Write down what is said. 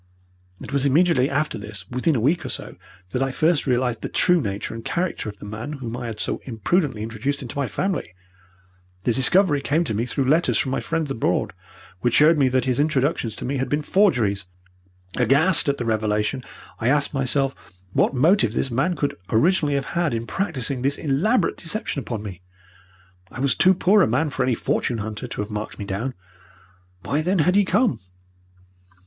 "It was immediately after this within a week or so that I first realized the true nature and character of the man whom I had so imprudently introduced into my family. The discovery came to me through letters from my friends abroad, which showed me that his introductions to me had been forgeries. Aghast at the revelation, I asked myself what motive this man could originally have had in practising this elaborate deception upon me. I was too poor a man for any fortune hunter to have marked me down. Why, then, had he come?